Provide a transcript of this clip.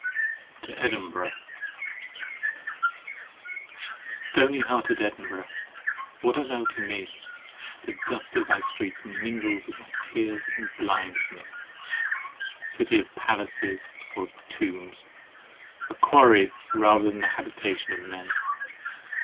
TO EDINBURGH —"Stony hearted" Edinburgh! What art thou to me? The dust of thy streets mingles with my tears and blinds me. City of palaces, or of tombs—a quarry, rather than the habitation of men!